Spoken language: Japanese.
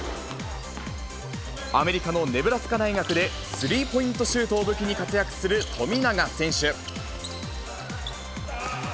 アメリカのネブラスカ大学で、スリーポイントシュートを武器に活躍する富永選手。